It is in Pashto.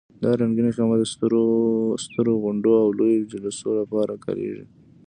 دا رنګینه خیمه د سترو غونډو او لویو جلسو لپاره کارېږي.